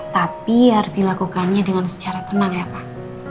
tapi harus dilakukannya dengan secara tenang ya pak